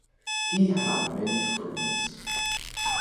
He had many friends.